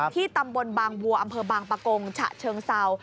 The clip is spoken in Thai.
ตำบลบางวัวอำเภอบางปะกงฉะเชิงเซา